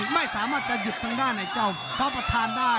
ไม่สามารถจะหยุดทางด้านไอ้เจ้าพระประธานได้